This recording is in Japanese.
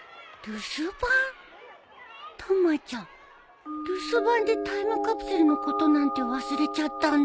たまちゃん留守番でタイムカプセルのことなんて忘れちゃったんだ